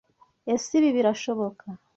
Ese Ibi birashoboka.